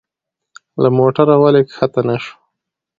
له موټره ولي کښته نه شو؟